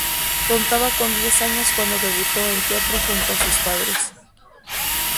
Contaba con diez años cuando debutó en teatro junto a sus padres.